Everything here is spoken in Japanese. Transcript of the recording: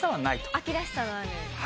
秋らしさのある。